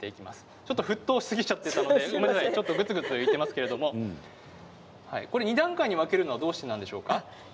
ちょっと沸騰しすぎちゃったのでちょっとぐつぐついっていますけれども２段階に分けるのはどうしてですか。